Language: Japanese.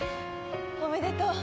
おめでとう！